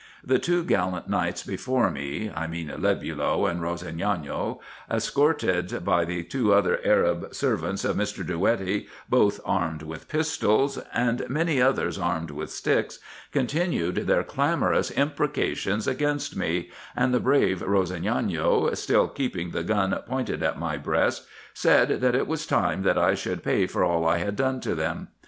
The two gallant knights before me, I mean Lebulo and Rossignano, escorted by the two other Arabian servants of Mr. Drouetti, both armed with pistols, and many others armed with sticks, continued their clamorous imprecations against me, and the brave Rossignano still keeping the gun pointed at my breast, said, that it was time that I should IN EGYPT, NUBIA, be. 367 pay for all I had done to them.